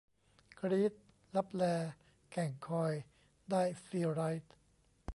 กรี๊ด !'ลับแล แก่งคอย' ได้ซีไรต์ !